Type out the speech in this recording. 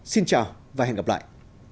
xin chào và hẹn gặp lại